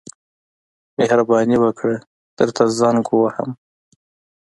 مهرباني وکړه درته زنګ ووهم.